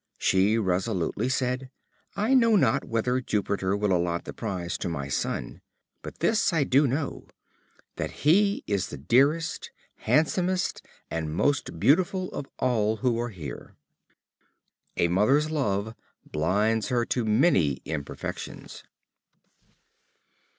She resolutely said: "I know not whether Jupiter will allot the prize to my son; but this I do know, that he is the dearest, handsomest, and most beautiful of all who are here." A mother's love blinds her to many imperfections.